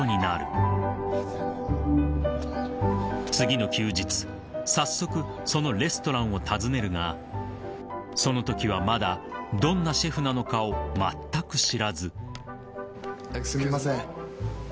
［次の休日早速そのレストランを訪ねるがそのときはまだどんなシェフなのかをまったく知らず］